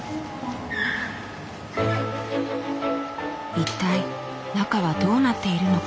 一体中はどうなっているのか？